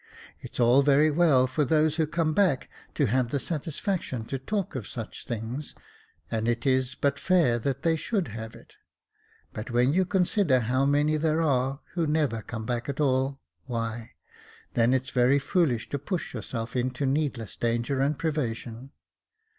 It's all very well for those who come back to have the satisfaction to talk of such things, and it is but fair that they should have it ; but when you consider how many there are who never come back at all, why, then it's very foolish to push yourself into needless danger and privation.